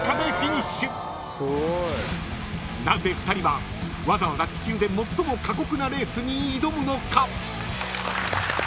［なぜ２人はわざわざ地球で最も過酷なレースに挑むのか？］